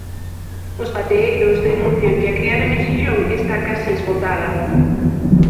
Os bateeiros denuncian que a cría de mexillón está case esgotada.